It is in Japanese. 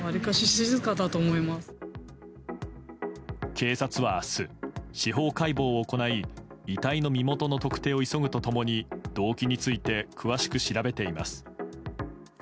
警察は明日、司法解剖を行い遺体の身元の特定を急ぐと共に動機について詳しく調べています。